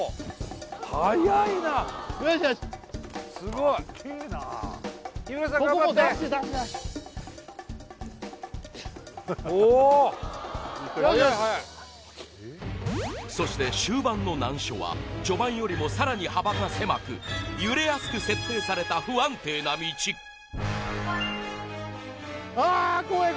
はやいはやいそして終盤の難所は序盤よりもさらに幅が狭く揺れやすく設計された不安定な道あー怖い